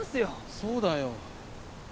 そうだよ。